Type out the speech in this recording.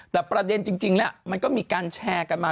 แต่ประเด็นจริงแล้วมันก็มีการแชร์กันมา